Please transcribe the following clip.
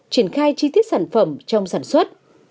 triển khai chi tiết sản phẩm trong sản xuất